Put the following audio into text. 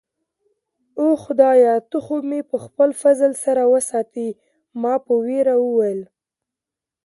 اوه، خدایه، ته خو مې په خپل فضل سره وساتې. ما په ویره وویل.